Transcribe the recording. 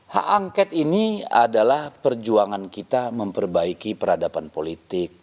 hak angket ini adalah perjuangan kita memperbaiki peradaban politik